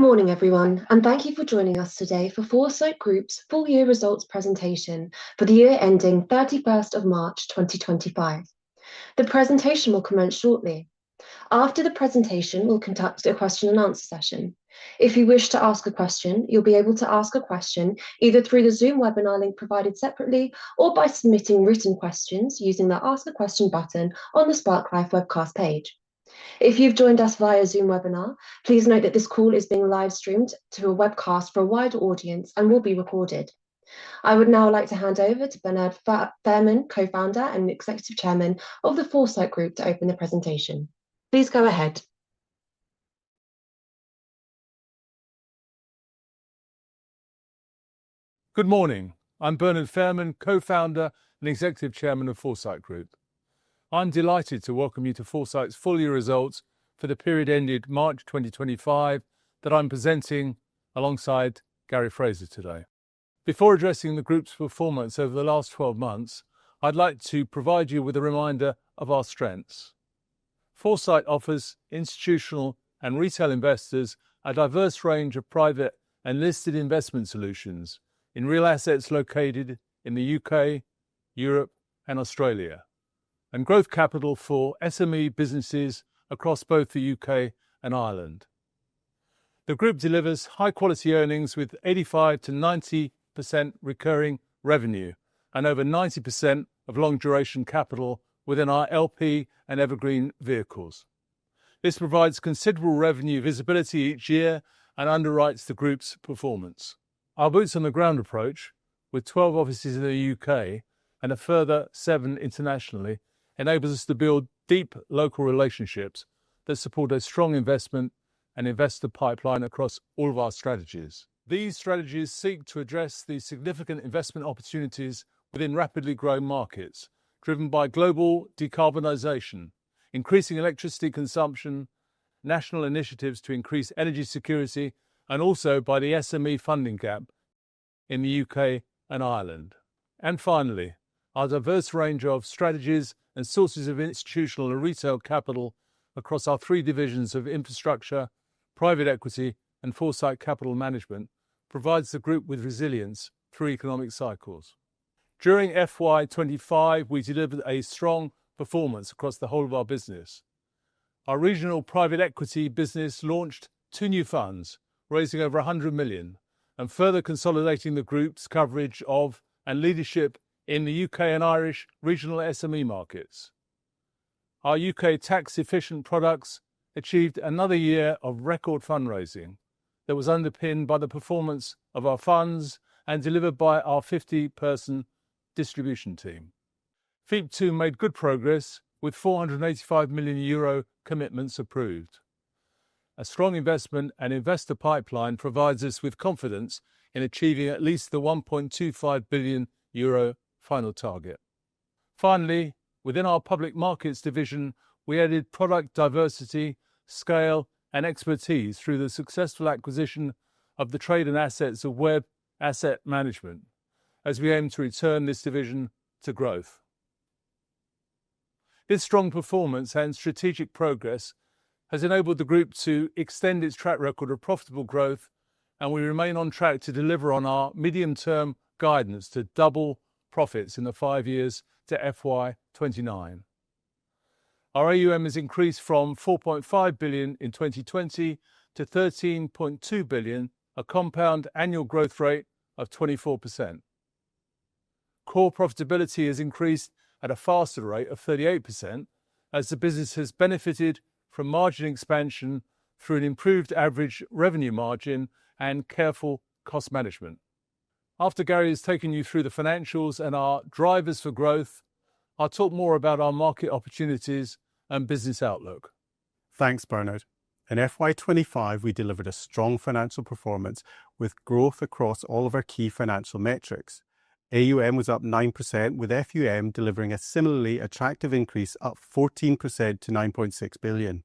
Good morning, everyone, and thank you for joining us today for Foresight Group's full-year results presentation for the year ending 31st of March 2025. The presentation will commence shortly. After the presentation, we'll conduct a question-and-answer session. If you wish to ask a question, you'll be able to ask a question either through the Zoom webinar link provided separately or by submitting written questions using the Ask a Question button on the Spark Live webcast page. If you've joined us via Zoom webinar, please note that this call is being live-streamed to a webcast for a wider audience and will be recorded. I would now like to hand over to Bernard Fairman, Co-founder and Executive Chairman of the Foresight Group, to open the presentation. Please go ahead. Good morning. I'm Bernard Fairman, Co-founder and Executive Chairman of Foresight Group. I'm delighted to welcome you to Foresight's full-year results for the period ending March 2025 that I'm presenting alongside Gary Fraser today. Before addressing the Group's performance over the last 12 months, I'd like to provide you with a reminder of our strengths. Foresight offers institutional and retail investors a diverse range of private and listed investment solutions in real assets located in the U.K., Europe, and Australia, and growth capital for SME businesses across both the U.K. and Ireland. The Group delivers high-quality earnings with 85%-90% recurring revenue and over 90% of long-duration capital within our LP and Evergreen vehicles. This provides considerable revenue visibility each year and underwrites the Group's performance. Our boots-on-the-ground approach, with 12 offices in the U.K. and a further 7 internationally, enables us to build deep local relationships that support a strong investment and investor pipeline across all of our strategies. These strategies seek to address the significant investment opportunities within rapidly growing markets driven by global decarbonization, increasing electricity consumption, national initiatives to increase energy security, and also by the SME funding gap in the U.K. and Ireland. Finally, our diverse range of strategies and sources of institutional and retail capital across our three divisions of infrastructure, private equity, and Foresight Capital Management provides the Group with resilience through economic cycles. During FY2025, we delivered a strong performance across the whole of our business. Our regional private equity business launched two new funds, raising over 100 million and further consolidating the Group's coverage of and leadership in the U.K. and Irish regional SME markets. Our U.K. tax-efficient products achieved another year of record fundraising that was underpinned by the performance of our funds and delivered by our 50-person distribution team. FEIP II made good progress with 485 million euro commitments approved. A strong investment and investor pipeline provides us with confidence in achieving at least the 1.25 billion euro final target. Finally, within our public markets division, we added product diversity, scale, and expertise through the successful acquisition of the trade and assets of Web Asset Management, as we aim to return this division to growth. This strong performance and strategic progress has enabled the Group to extend its track record of profitable growth, and we remain on track to deliver on our medium-term guidance to double profits in the five years to FY29. Our AUM has increased from 4.5 billion in 2020 to 13.2 billion, a compound annual growth rate of 24%. Core profitability has increased at a faster rate of 38%, as the business has benefited from margin expansion through an improved average revenue margin and careful cost management. After Gary has taken you through the financials and our drivers for growth, I'll talk more about our market opportunities and business outlook. Thanks, Bernard. In FY25, we delivered a strong financial performance with growth across all of our key financial metrics. AUM was up 9%, with FUM delivering a similarly attractive increase, up 14% to 9.6 billion.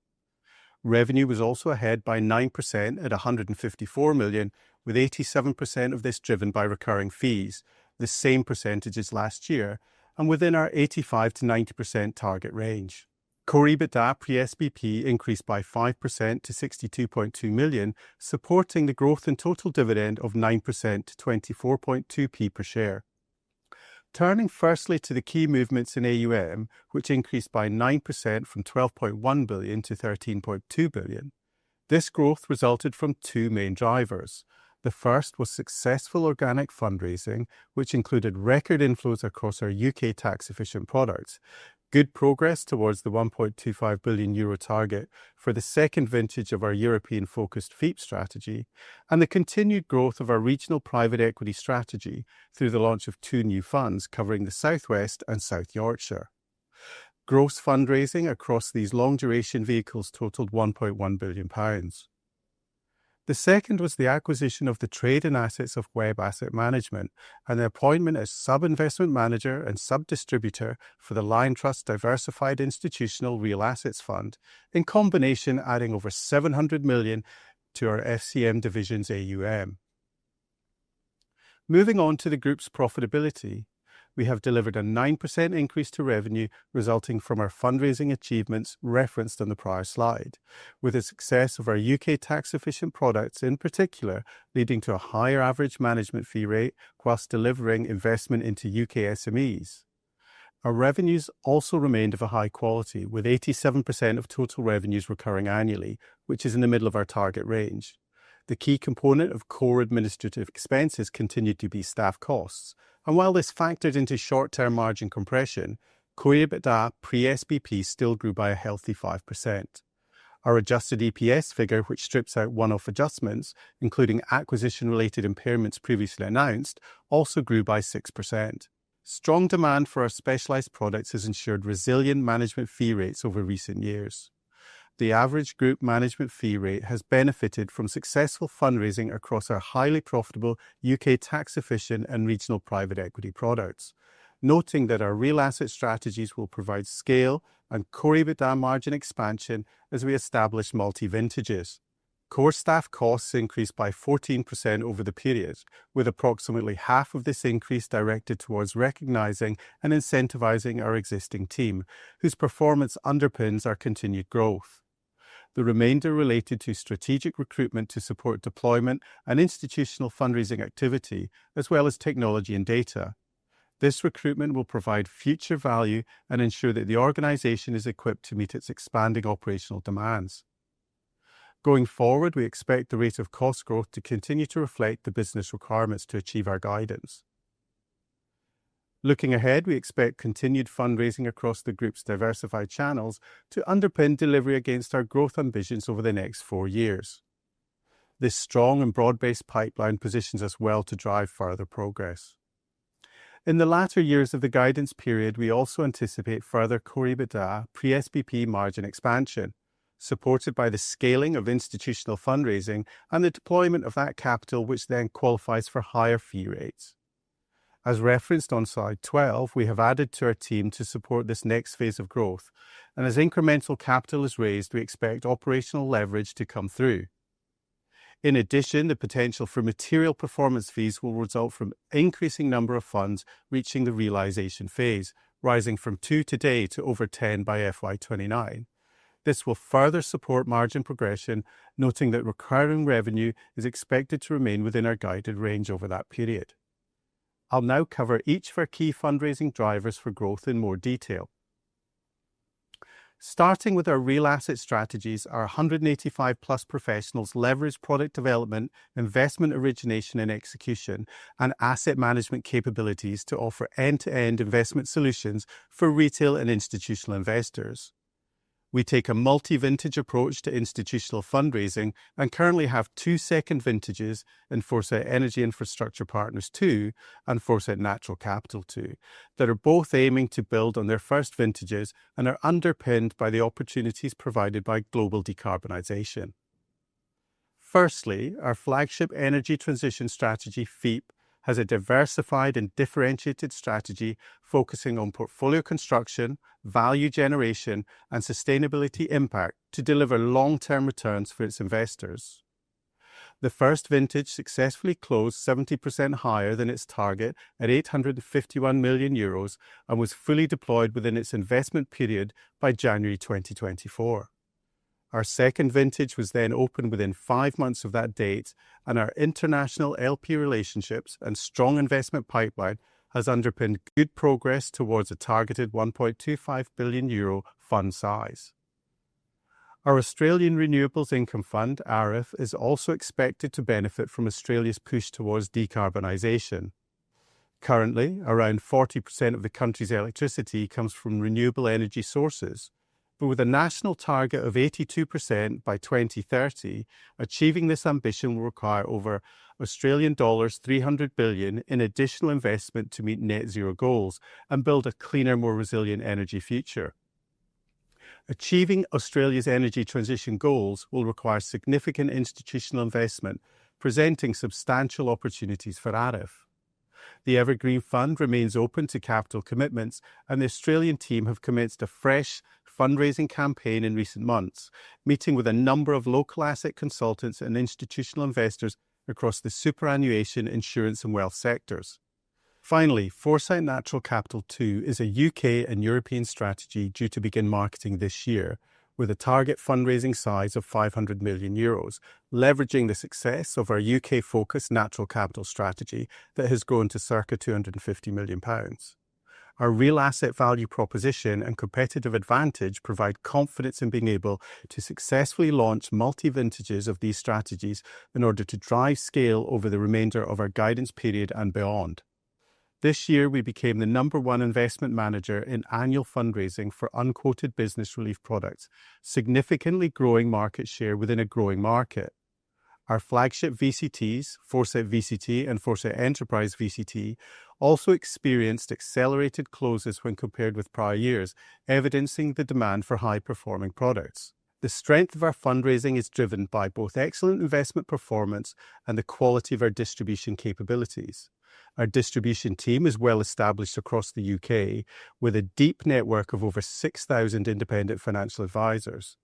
Revenue was also ahead by 9% at 154 million, with 87% of this driven by recurring fees, the same percentage as last year, and within our 85%-90% target range. CORRIB at DAP pre-SBP increased by 5% to 62.2 million, supporting the growth in total dividend of 9% to 0.242 per share. Turning firstly to the key movements in AUM, which increased by 9% from 12.1 billion to 13.2 billion, this growth resulted from two main drivers. The first was successful organic fundraising, which included record inflows across our U.K. tax-efficient products, good progress towards the 1.25 billion euro target for the second vintage of our European-focused FEIP strategy, and the continued growth of our regional private equity strategy through the launch of two new funds covering the South West and South Yorkshire. Gross fundraising across these long-duration vehicles totaled 1.1 billion pounds. The second was the acquisition of the trade and assets of Web Asset Management and the appointment as sub-investment manager and sub-distributor for the Liontrust Diversified Institutional Real Assets Fund, in combination adding over 700 million to our FCM division's AUM. Moving on to the Group's profitability, we have delivered a 9% increase to revenue resulting from our fundraising achievements referenced on the prior slide, with the success of our U.K. tax-efficient products in particular leading to a higher average management fee rate whilst delivering investment into U.K. SMEs. Our revenues also remained of a high quality, with 87% of total revenues recurring annually, which is in the middle of our target range. The key component of core administrative expenses continued to be staff costs, and while this factored into short-term margin compression, CORRIB at DAP pre-SBP still grew by a healthy 5%. Our adjusted EPS figure, which strips out one-off adjustments, including acquisition-related impairments previously announced, also grew by 6%. Strong demand for our specialised products has ensured resilient management fee rates over recent years. The average Group management fee rate has benefited from successful fundraising across our highly profitable U.K. tax-efficient and regional private equity products. Noting that our real asset strategies will provide scale and CORRIB at DAP margin expansion as we establish multi-vintages. Core staff costs increased by 14% over the period, with approximately half of this increase directed towards recognizing and incentivizing our existing team, whose performance underpins our continued growth. The remainder related to strategic recruitment to support deployment and institutional fundraising activity, as well as technology and data. This recruitment will provide future value and ensure that the organization is equipped to meet its expanding operational demands. Going forward, we expect the rate of cost growth to continue to reflect the business requirements to achieve our guidance. Looking ahead, we expect continued fundraising across the Group's diversified channels to underpin delivery against our growth ambitions over the next four years. This strong and broad-based pipeline positions us well to drive further progress. In the latter years of the guidance period, we also anticipate further CORRIB at DAP pre-SBP margin expansion, supported by the scaling of institutional fundraising and the deployment of that capital, which then qualifies for higher fee rates. As referenced on slide 12, we have added to our team to support this next phase of growth, and as incremental capital is raised, we expect operational leverage to come through. In addition, the potential for material performance fees will result from an increasing number of funds reaching the realisation phase, rising from two today to over 10 by FY29. This will further support margin progression, noting that recurring revenue is expected to remain within our guided range over that period. I'll now cover each of our key fundraising drivers for growth in more detail. Starting with our real asset strategies, our 185+ professionals leverage product development, investment origination and execution, and asset management capabilities to offer end-to-end investment solutions for retail and institutional investors. We take a multi-vintage approach to institutional fundraising and currently have two second vintages in Foresight Energy Infrastructure Partners II and Foresight Natural Capital II that are both aiming to build on their first vintages and are underpinned by the opportunities provided by global decarbonisation. Firstly, our flagship energy transition strategy, FEIP, has a diversified and differentiated strategy focusing on portfolio construction, value generation, and sustainability impact to deliver long-term returns for its investors. The first vintage successfully closed 70% higher than its target at 851 million euros and was fully deployed within its investment period by January 2024. Our second vintage was then opened within five months of that date, and our international LP relationships and strong investment pipeline have underpinned good progress towards a targeted 1.25 billion euro fund size. Our Australian Renewables Income Fund, ARIF, is also expected to benefit from Australia's push towards decarbonisation. Currently, around 40% of the country's electricity comes from renewable energy sources, but with a national target of 82% by 2030, achieving this ambition will require over Australian dollars 300 billion in additional investment to meet net zero goals and build a cleaner, more resilient energy future. Achieving Australia's energy transition goals will require significant institutional investment, presenting substantial opportunities for ARIF. The Evergreen Fund remains open to capital commitments, and the Australian team has commenced a fresh fundraising campaign in recent months, meeting with a number of local asset consultants and institutional investors across the superannuation, insurance, and wealth sectors. Finally, Foresight Natural Capital II is a U.K. and European strategy due to begin marketing this year, with a target fundraising size of 500 million euros, leveraging the success of our U.K.-focused natural capital strategy that has grown to circa 250 million pounds. Our real asset value proposition and competitive advantage provide confidence in being able to successfully launch multi-vintages of these strategies in order to drive scale over the remainder of our guidance period and beyond. This year, we became the number one investment manager in annual fundraising for unquoted Business Relief products, significantly growing market share within a growing market. Our flagship VCTs, Foresight VCT and Foresight Enterprise VCT, also experienced accelerated closes when compared with prior years, evidencing the demand for high-performing products. The strength of our fundraising is driven by both excellent investment performance and the quality of our distribution capabilities. Our distribution team is well established across the U.K., with a deep network of over 6,000 independent financial advisors.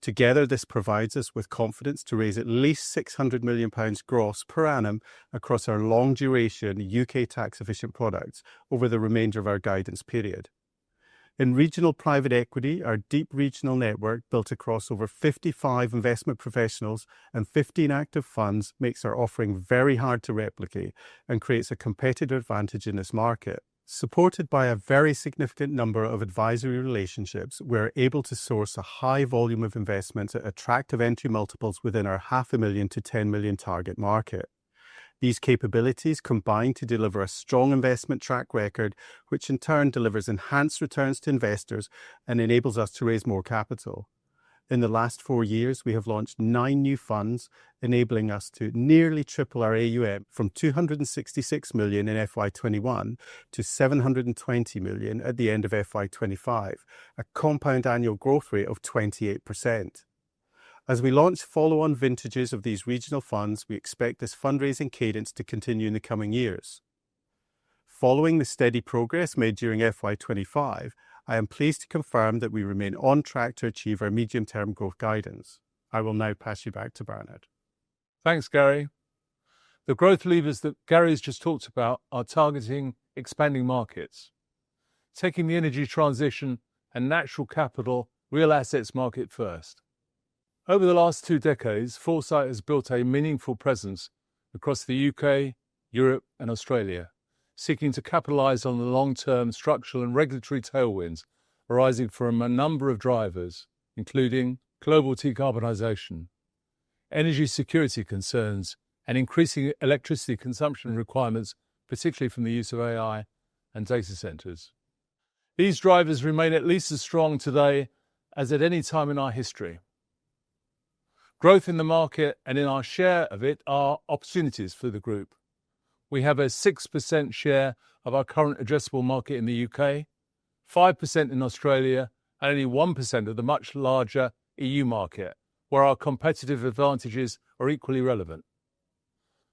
Together, this provides us with confidence to raise at least 600 million pounds gross per annum across our long-duration U.K. tax-efficient products over the remainder of our guidance period. In regional private equity, our deep regional network built across over 55 investment professionals and 15 active funds makes our offering very hard to replicate and creates a competitive advantage in this market. Supported by a very significant number of advisory relationships, we are able to source a high volume of investments at attractive entry multiples within our 0.5 million-10 million target market. These capabilities combine to deliver a strong investment track record, which in turn delivers enhanced returns to investors and enables us to raise more capital. In the last four years, we have launched nine new funds, enabling us to nearly triple our AUM from 266 million in FY21 to 720 million at the end of FY25, a compound annual growth rate of 28%. As we launch follow-on vintages of these regional funds, we expect this fundraising cadence to continue in the coming years. Following the steady progress made during FY25, I am pleased to confirm that we remain on track to achieve our medium-term growth guidance. I will now pass you back to Bernard. Thanks, Gary. The growth levers that Gary has just talked about are targeting expanding markets, taking the energy transition and natural capital real assets market first. Over the last two decades, Foresight has built a meaningful presence across the U.K., Europe, and Australia, seeking to capitalize on the long-term structural and regulatory tailwinds arising from a number of drivers, including global decarbonization, energy security concerns, and increasing electricity consumption requirements, particularly from the use of AI and data centers. These drivers remain at least as strong today as at any time in our history. Growth in the market and in our share of it are opportunities for the Group. We have a 6% share of our current addressable market in the U.K., 5% in Australia, and only 1% of the much larger EU market, where our competitive advantages are equally relevant.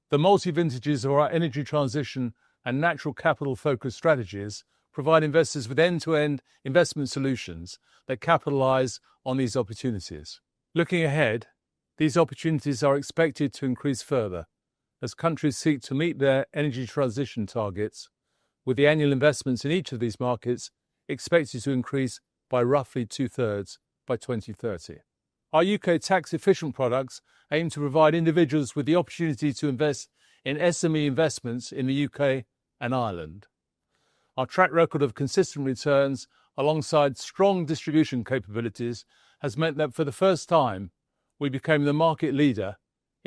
The multi-vintages of our energy transition and natural capital-focused strategies provide investors with end-to-end investment solutions that capitalize on these opportunities. Looking ahead, these opportunities are expected to increase further as countries seek to meet their energy transition targets, with the annual investments in each of these markets expected to increase by roughly two-thirds by 2030. Our U.K. tax-efficient products aim to provide individuals with the opportunity to invest in SME investments in the U.K. and Ireland. Our track record of consistent returns, alongside strong distribution capabilities, has meant that for the first time we became the market leader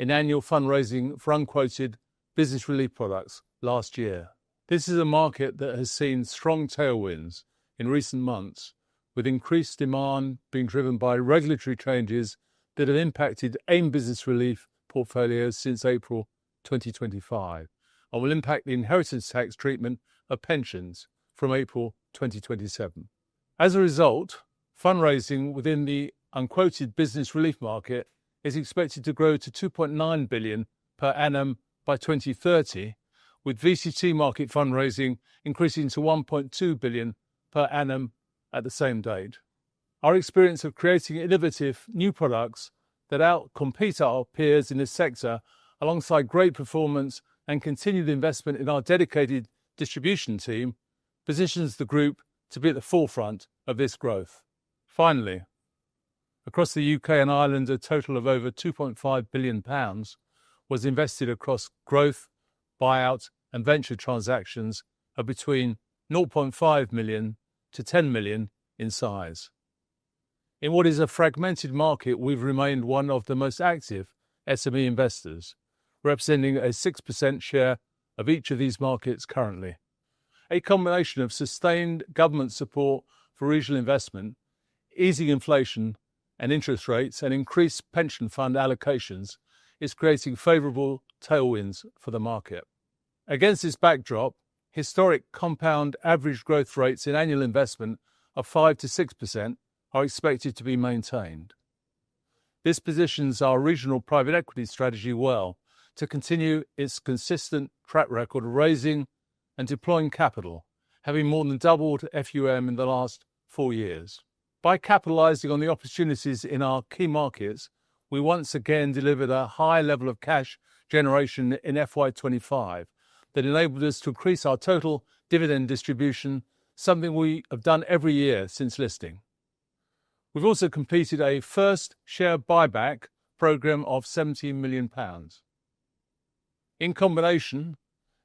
in annual fundraising for unquoted business relief products last year. This is a market that has seen strong tailwinds in recent months, with increased demand being driven by regulatory changes that have impacted AIM business relief portfolios since April 2025 and will impact the inheritance tax treatment of pensions from April 2027. As a result, fundraising within the unquoted business relief market is expected to grow to 2.9 billion per annum by 2030, with VCT market fundraising increasing to 1.2 billion per annum at the same date. Our experience of creating innovative new products that outcompete our peers in this sector, alongside great performance and continued investment in our dedicated distribution team, positions the Group to be at the forefront of this growth. Finally, across the U.K. and Ireland, a total of over 2.5 billion pounds was invested across growth, buyout, and venture transactions of between 0.5 million-10 million in size. In what is a fragmented market, we've remained one of the most active SME investors, representing a 6% share of each of these markets currently. A combination of sustained government support for regional investment, easing inflation and interest rates, and increased pension fund allocations is creating favorable tailwinds for the market. Against this backdrop, historic compound average growth rates in annual investment of 5%-6% are expected to be maintained. This positions our regional private equity strategy well to continue its consistent track record of raising and deploying capital, having more than doubled FUM in the last four years. By capitalizing on the opportunities in our key markets, we once again delivered a high level of cash generation in FY25 that enabled us to increase our total dividend distribution, something we have done every year since listing. We've also completed a first share buyback program of 17 million pounds. In combination,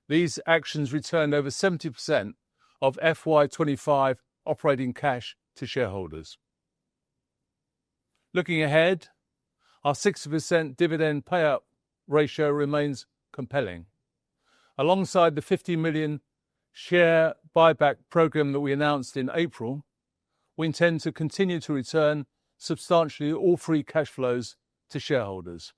these actions returned over 70% of FY25 operating cash to shareholders. Looking ahead, our 6% dividend payout ratio remains compelling. Alongside the 50 million share buyback programme that we announced in April, we intend to continue to return substantially all free cash flows to shareholders.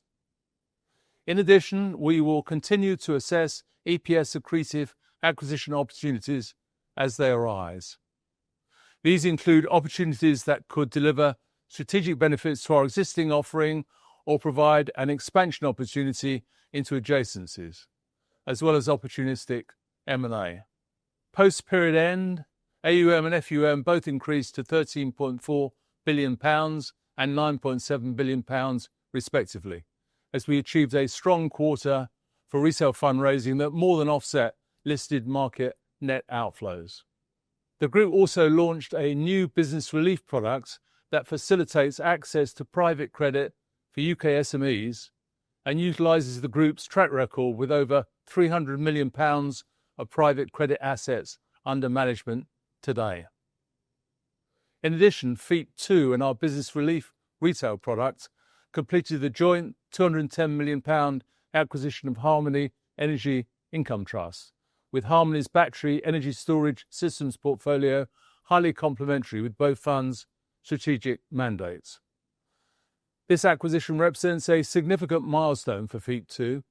In addition, we will continue to assess EPS accretive acquisition opportunities as they arise. These include opportunities that could deliver strategic benefits to our existing offering or provide an expansion opportunity into adjacencies, as well as opportunistic M&A. Post-period end, AUM and FUM both increased to GBP 13.4 billion and GBP 9.7 billion respectively, as we achieved a strong quarter for retail fundraising that more than offset listed market net outflows. The Group also launched a new business relief product that facilitates access to private credit for U.K. SMEs and utilizes the Group's track record with over 300 million pounds of private credit assets under management today. In addition, FEIP II and our business relief retail product completed the joint 210 million pound acquisition of Harmony Energy Income Trust, with Harmony's battery energy storage systems portfolio highly complementary with both funds' strategic mandates. This acquisition represents a significant milestone for FEIP II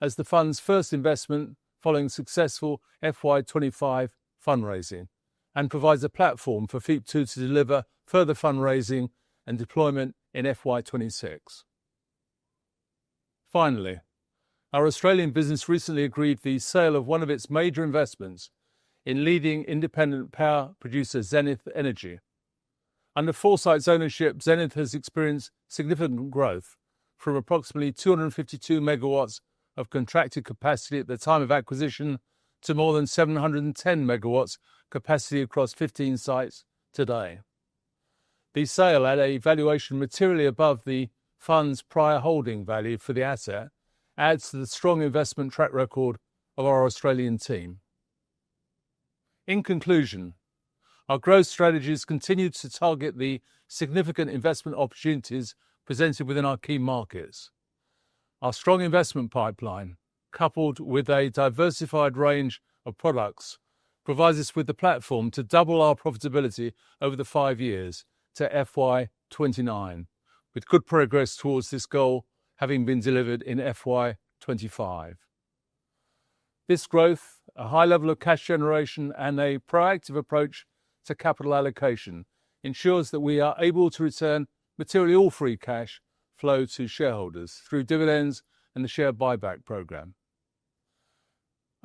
as the fund's first investment following successful FY25 fundraising and provides a platform for FEIP II to deliver further fundraising and deployment in FY26. Finally, our Australian business recently agreed the sale of one of its major investments in leading independent power producer, Zenith Energy. Under Foresight's ownership, Zenith has experienced significant growth from approximately 252 MW of contracted capacity at the time of acquisition to more than 710 MW capacity across 15 sites today. The sale, at a valuation materially above the fund's prior holding value for the asset, adds to the strong investment track record of our Australian team. In conclusion, our growth strategies continue to target the significant investment opportunities presented within our key markets. Our strong investment pipeline, coupled with a diversified range of products, provides us with the platform to double our profitability over the five years to FY29, with good progress towards this goal having been delivered in FY25. This growth, a high level of cash generation, and a proactive approach to capital allocation ensures that we are able to return materially all free cash flow to shareholders through dividends and the share buyback program.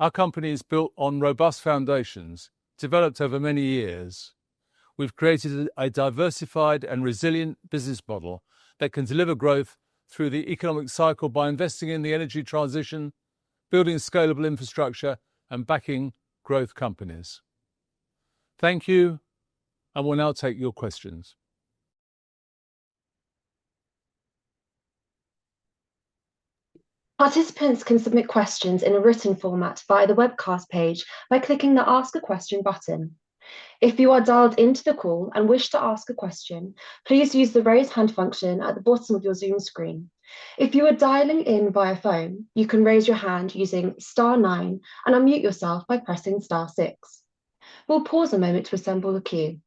Our company is built on robust foundations developed over many years. We've created a diversified and resilient business model that can deliver growth through the economic cycle by investing in the energy transition, building scalable infrastructure, and backing growth companies. Thank you, and we'll now take your questions. Participants can submit questions in a written format via the webcast page by clicking the Ask a Question button. If you are dialed into the call and wish to ask a question, please use the raise hand function at the bottom of your Zoom screen. If you are dialing in via phone, you can raise your hand using Star 9 and unmute yourself by pressing Star 6. We'll pause a moment to assemble the queue.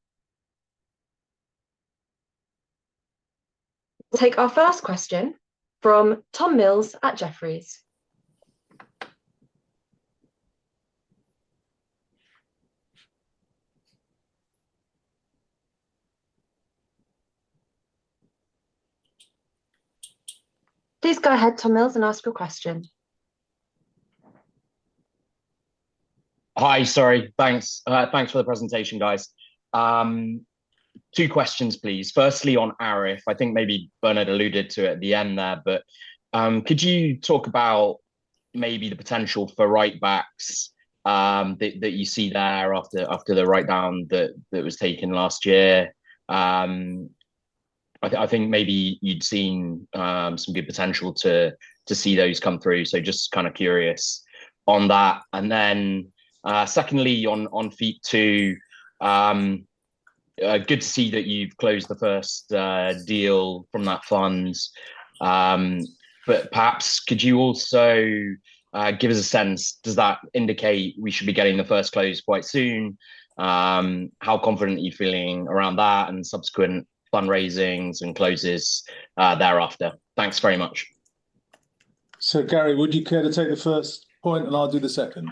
We'll take our first question from Tom Mills at Jefferies. Please go ahead, Tom Mills, and ask your question. Hi, sorry, thanks. Thanks for the presentation, guys. Two questions, please. Firstly, on ARIF, I think maybe Bernard alluded to it at the end there, but could you talk about maybe the potential for writebacks that you see there after the writedown that was taken last year? I think maybe you'd seen some good potential to see those come through, so just kind of curious on that. Secondly, on FEIP II, good to see that you've closed the first deal from that fund. Perhaps could you also give us a sense? Does that indicate we should be getting the first close quite soon? How confident are you feeling around that and subsequent fundraisings and closes thereafter? Thanks very much. Gary, would you care to take the first point, and I'll do the second?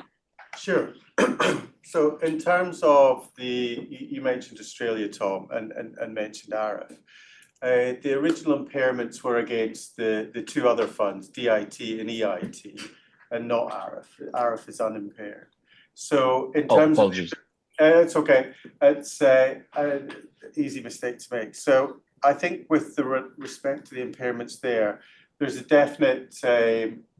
Sure. In terms of the, you mentioned Australia, Tom, and mentioned ARIF, the original impairments were against the two other funds, DIT and EIT, and not ARIF. ARIF is unimpaired. In terms of. Oh, apologies. It's okay. It's an easy mistake to make. I think with respect to the impairments there, there's a definite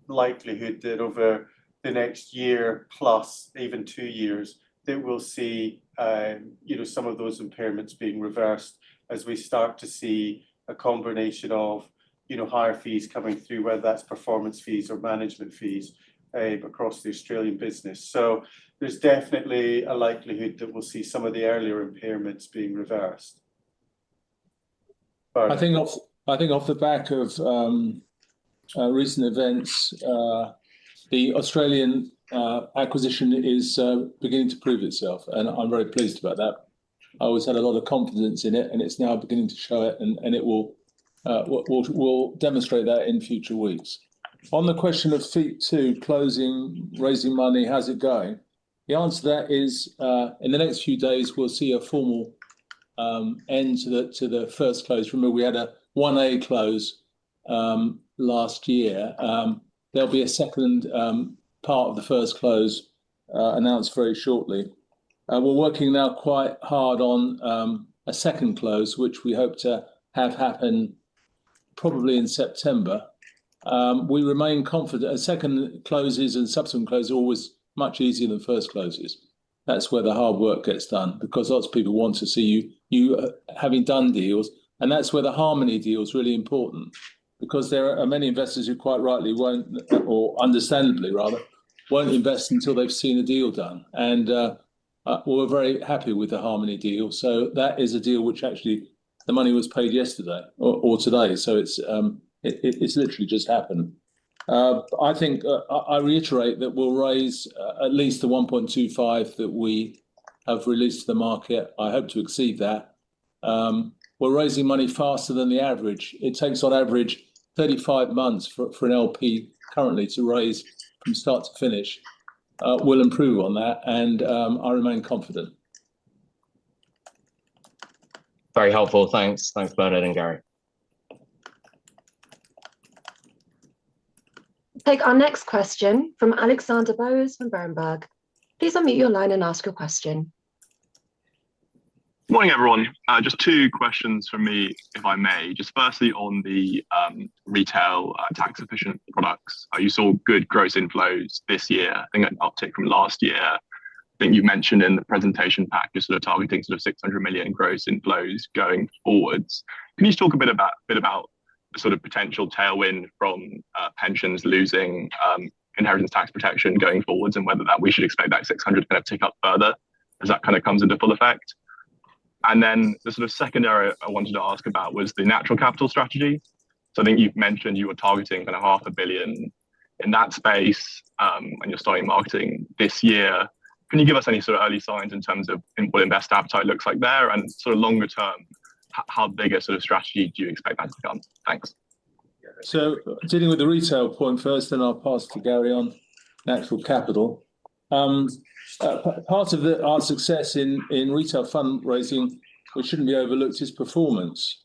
likelihood that over the next year plus, even two years, that we'll see some of those impairments being reversed as we start to see a combination of higher fees coming through, whether that's performance fees or management fees across the Australian business. There's definitely a likelihood that we'll see some of the earlier impairments being reversed. I think off the back of recent events, the Australian acquisition is beginning to prove itself, and I'm very pleased about that. I always had a lot of confidence in it, and it's now beginning to show it, and it will demonstrate that in future weeks. On the question of FEIP II, closing, raising money, how's it going? The answer to that is in the next few days, we'll see a formal end to the first close. Remember, we had a 1A close last year. There'll be a second part of the first close announced very shortly. We're working now quite hard on a second close, which we hope to have happen probably in September. We remain confident. Second closes and subsequent closes are always much easier than first closes. That's where the hard work gets done, because lots of people want to see you having done deals. That is where the Harmony deal is really important, because there are many investors who quite rightly will not, or understandably rather, will not invest until they have seen a deal done. We are very happy with the Harmony deal. That is a deal which actually the money was paid yesterday or today. It has literally just happened. I think I reiterate that we will raise at least the 1.25 billion that we have released to the market. I hope to exceed that. We are raising money faster than the average. It takes on average 35 months for an LP currently to raise from start to finish. We will improve on that, and I remain confident. Very helpful. Thanks. Thanks, Bernard and Gary. Take our next question from Alexander Bowers from Berenberg. Please unmute your line and ask your question. Good morning, everyone. Just two questions for me, if I may. Just firstly on the retail tax-efficient products. You saw good gross inflows this year, I think an uptick from last year. I think you mentioned in the presentation pack you're sort of targeting 600 million gross inflows going forwards. Can you just talk a bit about the sort of potential tailwind from pensions losing inheritance tax protection going forwards and whether that we should expect that 600 million kind of tick up further as that kind of comes into full effect? The second area I wanted to ask about was the natural capital strategy. I think you've mentioned you were targeting 500 million in that space when you were starting marketing this year. Can you give us any sort of early signs in terms of what investor appetite looks like there, and sort of longer term, how big a sort of strategy do you expect that to become? Thanks. Dealing with the retail point first, then I'll pass to Gary on natural capital. Part of our success in retail fundraising, which should not be overlooked, is performance.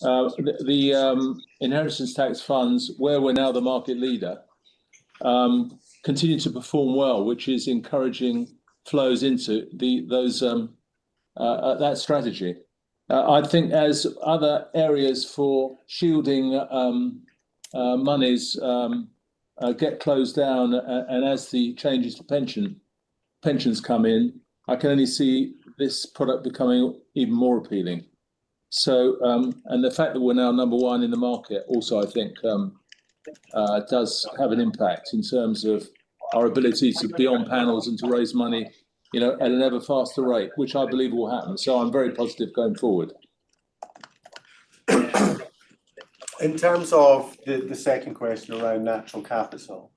The inheritance tax funds, where we are now the market leader, continue to perform well, which is encouraging flows into that strategy. I think as other areas for shielding monies get closed down and as the changes to pensions come in, I can only see this product becoming even more appealing. The fact that we are now number one in the market also, I think, does have an impact in terms of our ability to be on panels and to raise money at an ever faster rate, which I believe will happen. I am very positive going forward. In terms of the second question around natural capital,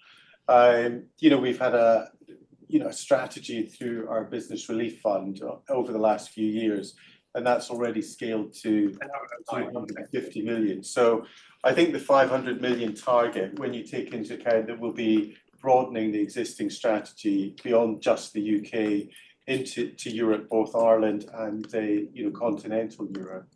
we've had a strategy through our business relief fund over the last few years, and that's already scaled to [250] million. I think the 500 million target, when you take into account that we'll be broadening the existing strategy beyond just the U.K. into Europe, both Ireland and continental Europe,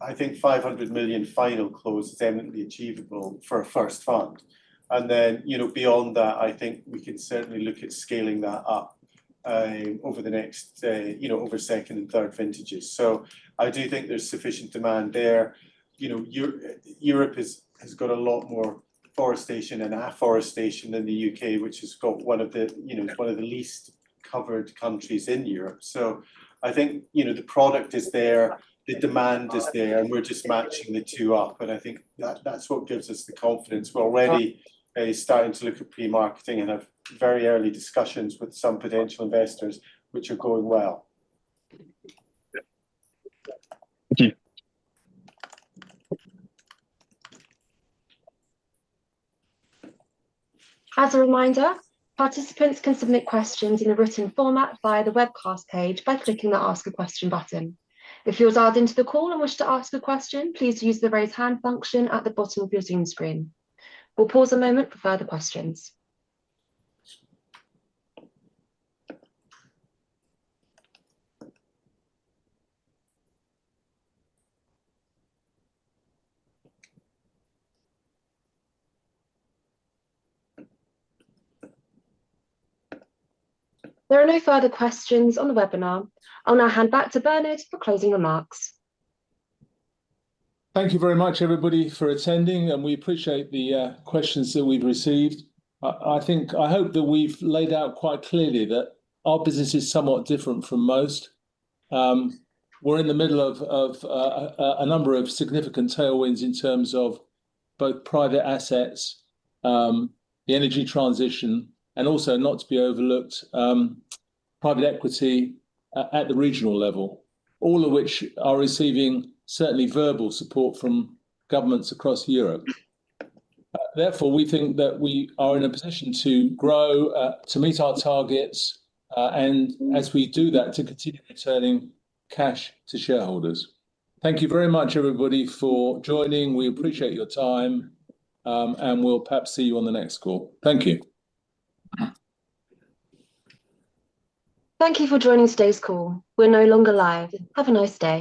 I think 500 million final close is definitely achievable for a first fund. Beyond that, I think we can certainly look at scaling that up over the next second and third vintages. I do think there's sufficient demand there. Europe has got a lot more forestation and afforestation than the U.K., which has got one of the least covered countries in Europe. I think the product is there, the demand is there, and we're just matching the two up. I think that's what gives us the confidence. We're already starting to look at pre-marketing and have very early discussions with some potential investors which are going well. Thank you. As a reminder, participants can submit questions in a written format via the webcast page by clicking the Ask a Question button. If you're dialed into the call and wish to ask a question, please use the raise hand function at the bottom of your Zoom screen. We'll pause a moment for further questions. There are no further questions on the webinar. I'll now hand back to Bernard for closing remarks. Thank you very much, everybody, for attending, and we appreciate the questions that we've received. I think I hope that we've laid out quite clearly that our business is somewhat different from most. We're in the middle of a number of significant tailwinds in terms of both private assets, the energy transition, and also not to be overlooked, private equity at the regional level, all of which are receiving certainly verbal support from governments across Europe. Therefore, we think that we are in a position to grow, to meet our targets, and as we do that, to continue returning cash to shareholders. Thank you very much, everybody, for joining. We appreciate your time, and we'll perhaps see you on the next call. Thank you. Thank you for joining today's call. We're no longer live. Have a nice day.